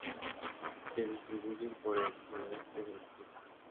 Se distribuyen por el sudeste de Brasil.